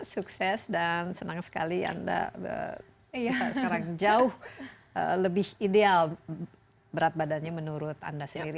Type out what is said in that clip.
sukses dan senang sekali anda sekarang jauh lebih ideal berat badannya menurut anda sendiri